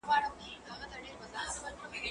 زه پرون لوښي وچوم وم؟!